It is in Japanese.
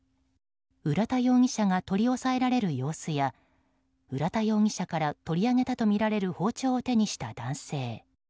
浦田容疑者が取り押さえられる様子や浦田容疑者から取り上げたとみられる包丁を手にした男性。